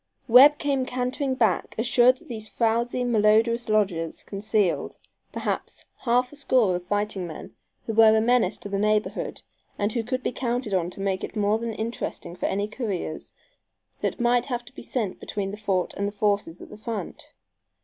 Webb came cantering back assured that these frowsy, malodorous lodges concealed, perhaps, half a score of fighting men who were a menace to the neighborhood and who could be counted on to make it more than interesting for any couriers that might have to be sent between the fort and the forces at the front.